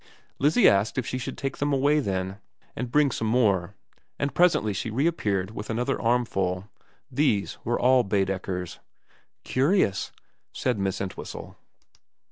Lizzie asked if she should take them away then, and bring some more ; and presently she reappeared with another armful. These were all Baedekers. ' Curious,' said Miss Entwhistle.